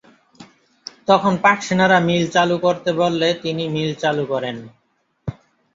তখন পাক সেনারা মিল চালু করতে বললে তিনি মিল চালু করেন।